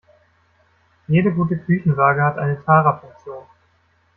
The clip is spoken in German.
Jede gute Küchenwaage hat eine Tara-Funktion.